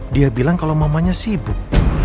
dia bilang kalau mamanya sibuk